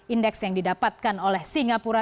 lima tujuh indeks yang didapatkan oleh singapura